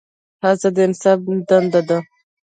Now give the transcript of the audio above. هڅه د انسان دنده ده؟